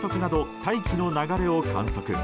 大気の流れを観測。